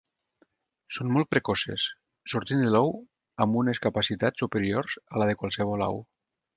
Són molt precoces, sortint de l'ou amb unes capacitats superiors a la de qualsevol au.